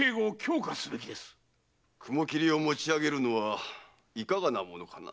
雲切をもち上げるのはいかがなものかな？